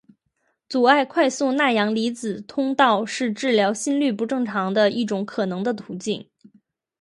阻碍快速钠阳离子通道是治疗心律不正常的一种可能的途径。